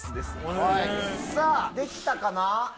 さぁできたかな？